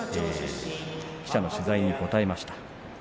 記者の取材に答えました。